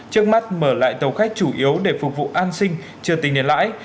trước mắt mở lại tàu khách chủ yếu để phục vụ an sinh chờ tình nền lãi